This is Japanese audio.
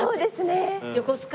横須賀？